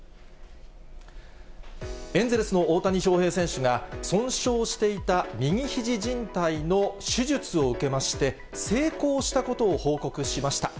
エンゼルスの大谷翔平選手が、損傷していた右ひじじん帯の手術を受けまして、成功したことを報告しました。